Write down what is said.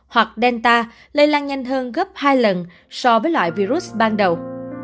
hoặc delta lây lan nhanh hơn gấp hai lần so với loại virus ban đầu